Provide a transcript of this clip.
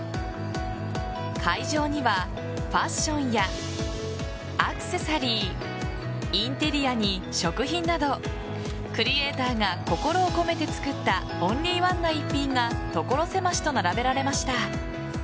会場にはファッションやアクセサリーインテリアに食品などクリエイターが心を込めて作ったオンリーワンな逸品が所狭しと並べられました。